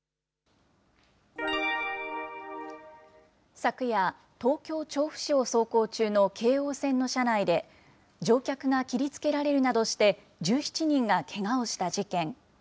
昨夜、東京・調布市を走行中の京王線の車内で、乗客が切りつけられるなどして、１７人がけがをした事件。